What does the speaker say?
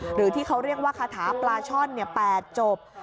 หรือที่เขาเรียกว่าคาถาปลาช่อน๘จบ